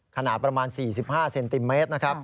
ขนาดประมาณ๔๕เซนติเมตรนะครับ